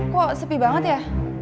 kok sepi banget ya